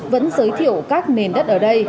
vẫn giới thiệu các nền đất ở đây